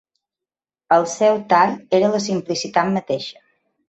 El seu tall era la simplicitat mateixa.